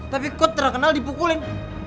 tapi kok terkenal dipukulin